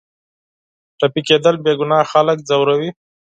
ټپي کېدل بېګناه خلک ځوروي.